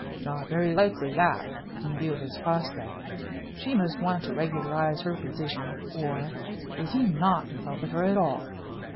Not very likely, that, in view of his prospects. She must want to regularize her position. Or is he not in love with her at all?"